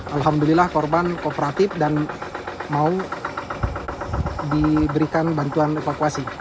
alhamdulillah korban kooperatif dan mau diberikan bantuan evakuasi